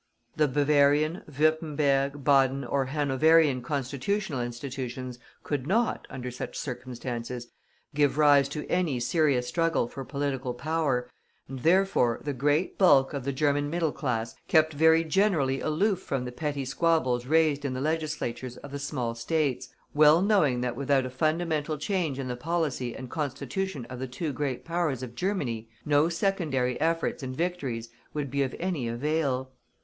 The Bavarian, Würtemberg, Baden or Hanoverian Constitutional institutions could not, under such circumstances, give rise to any serious struggle for political power, and, therefore, the great bulk of the German middle class kept very generally aloof from the petty squabbles raised in the Legislatures of the small States, well knowing that without a fundamental change in the policy and constitution of the two great powers of Germany, no secondary efforts and victories would be of any avail.